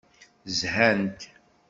Zhant.